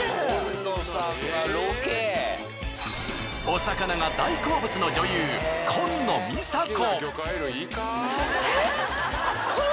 お魚が大好物の女優紺野美沙子。